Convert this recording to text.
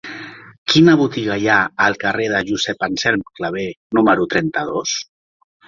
Quina botiga hi ha al carrer de Josep Anselm Clavé número trenta-dos?